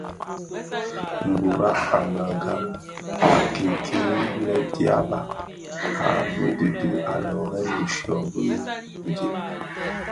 Mburag a meghan a kiki lè dyaba a mëdidi a lōōrèn bishyō bi bidilag.